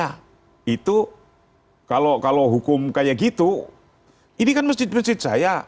nah itu kalau hukum kayak gitu ini kan masjid masjid saya